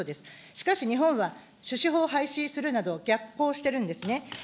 しかし日本は、種子法廃止するなど逆行しているんですね。